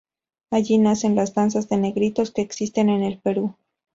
Allí nacen las Danzas de Negritos que existen en el Perú.